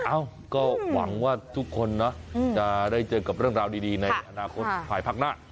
เอ้าก็หวังว่าทุกคนนะจะได้เจอกับเรื่องราวดีในอนาคตภายพักหน้า